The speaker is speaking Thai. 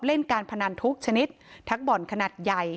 เล่นการพนันทุกชนิดทั้งบ่อนขนาดใหญ่